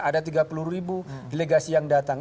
ada tiga puluh ribu delegasi yang datang